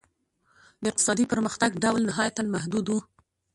د اقتصادي پرمختګ ډول نهایتاً محدود و.